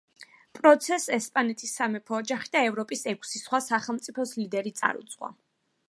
პროცესს ესპანეთის სამეფო ოჯახი და ევროპის ექვსი სხვა სახელმწიფოს ლიდერი წარუძღვა.